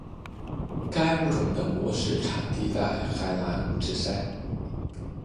该物种的模式产地在海南五指山。